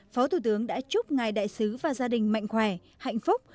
phó thủ tướng đã chúc ngài đại sứ và gia đình mạnh khỏe hạnh phúc